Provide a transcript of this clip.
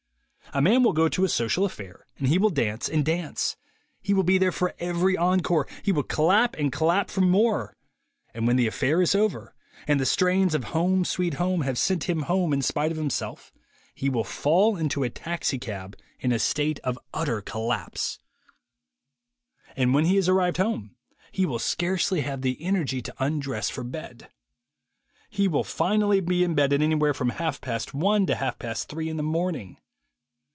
A man will go to a social affair, and he will dance and dance; he will be there for every encore; he will clap and clap for more; and when the affair is over, and the strains of "Home, Sweet Home" have sent him home in spite of himself, he will fall into a taxicab in a state of utter collapse; and when he is arrived home, will scarcely have the energy to undress for bed. He will finally be in bed at any where from half past one to half past three in the morning.